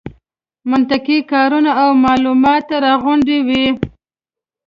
منطق کاروي او مالومات راغونډوي.